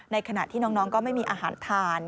ขณะที่น้องก็ไม่มีอาหารทาน